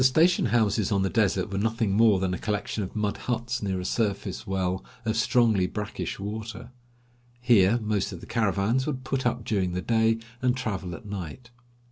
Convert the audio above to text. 164 Across Asia on a Bicycle The station houses on the desert were nothing more than a collection of mud huts near a surface well of strongly brackish water. Here, most of the caravans would put up during the day, and travel at night.